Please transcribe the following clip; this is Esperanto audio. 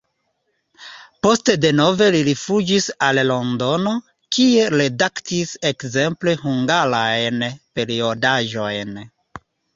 Poste denove li rifuĝis al Londono, kie redaktis ekzemple hungarajn periodaĵojn.